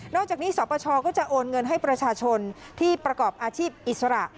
อกจากนี้สปชก็จะโอนเงินให้ประชาชนที่ประกอบอาชีพอิสระ